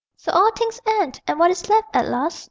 So all things end: and what is left at last?